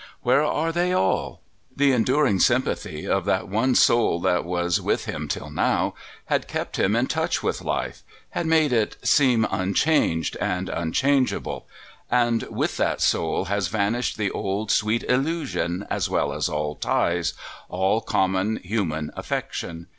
Where are they all? The enduring sympathy of that one soul that was with him till now had kept him in touch with life, had made it seem unchanged and unchangeable, and with that soul has vanished the old, sweet illusion as well as all ties, all common, human affection.